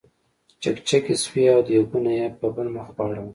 چکچکې شوې او دیګونه یې په بل مخ واړول.